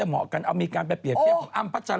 ไม่มีการไปเปรียบเทียบกับใคร